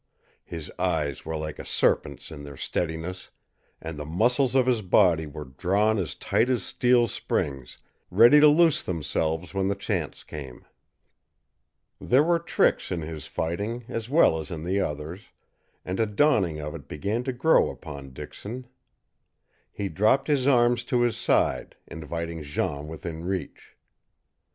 His eyes were like a serpent's in their steadiness, and the muscles of his body were drawn as tight as steel springs, ready to loose themselves when the chance came. There were tricks in his fighting as well as in the other's, and a dawning of it began to grow upon Dixon. He dropped his arms to his side, inviting Jean within reach.